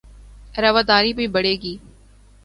رواداری بھی بڑھے گی